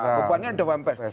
bebannya dewan pres